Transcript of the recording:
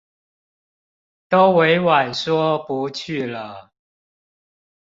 都委婉說不去了